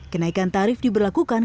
kenaikan tarif diberlakukan